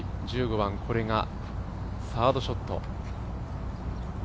１５番、これがサードショット。